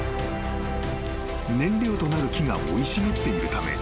［燃料となる木が生い茂っているため